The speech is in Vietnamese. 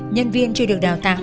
nhân viên chưa được đào tạo